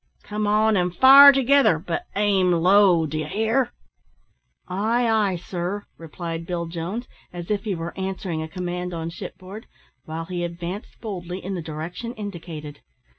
Come on, and fire together; but aim low, d'ye hear?" "Ay, ay, sir," replied Bill Jones, as if he were answering a command on shipboard, while he advanced boldly in the direction indicated.